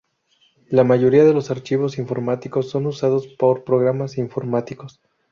La mayoría de los archivos informáticos son usados por programas informáticos.